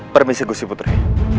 permisi gusti putri